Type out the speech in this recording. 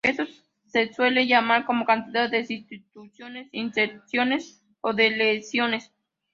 Esto se suele llamar como cantidad de sustituciones, inserciones o deleciones.